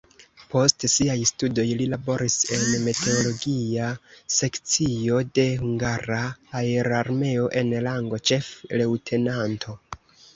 Post siaj studoj li laboris en meteologia sekcio de hungara aerarmeo en rango ĉef-leŭtenanto.